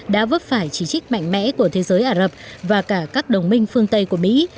đã vấp phải chỉ trích mạnh mẽ của thế giới ả rập và cả các đồng minh phương tây của mỹ